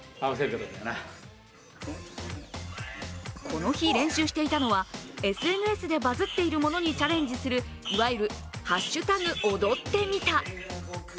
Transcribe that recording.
この日、練習していたのはＳＮＳでバズっているものにチャレンジするいわゆる「＃踊ってみた」。